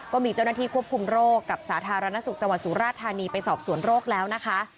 ก็มีเจ้าหน้าที่ควบคุมโรคกับสาธารณสุขจังหวัดสุราธานีไปสอบสวนโรคแล้วนะคะ